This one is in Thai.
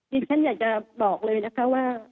ฉันอยากจะบอกเลยนะคะว่า